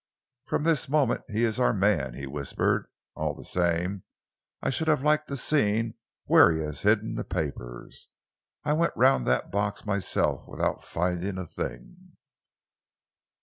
"From this moment he is our man," he whispered. "All the same, I should have liked to have seen where he has hidden the papers. I went round the box myself without finding a thing."